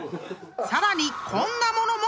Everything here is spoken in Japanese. ［さらにこんな物も発見］